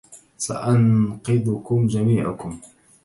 سأنقذكم جميعكم.